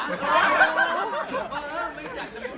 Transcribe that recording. ไม่อยากจะมอยกัน